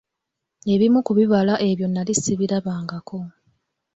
Ebimu ku bibala ebyo nnali sibirabangako.